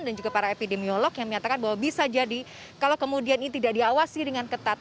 dan juga para epidemiolog yang menyatakan bahwa bisa jadi kalau kemudian ini tidak diawasi dengan ketat